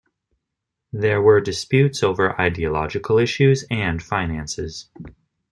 There were disputes over ideological issues and finances.